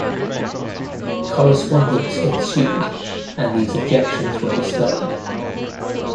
Correspondence ensued, and these objections were dispelled.